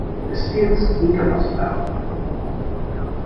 Stiles incapacitado.